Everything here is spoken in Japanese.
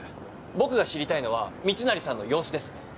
僕が知りたいのは密成さんの様子です。